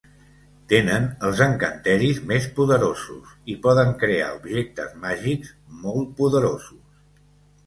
Tenen els encanteris més poderosos i poden crear objectes màgics molt poderosos.